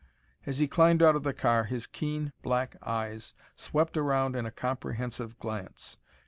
As he climbed out of the car his keen black eyes swept around in a comprehensive glance.